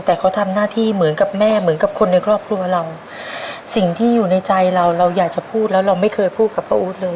แต่เขาทำหน้าที่เหมือนกับแม่เหมือนกับคนในครอบครัวเราสิ่งที่อยู่ในใจเราเราอยากจะพูดแล้วเราไม่เคยพูดกับพระอู๊ดเลย